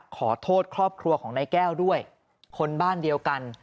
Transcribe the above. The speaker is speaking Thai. ขอโทษครอบครัวของนายแก้วด้วยคนบ้านเดียวกัน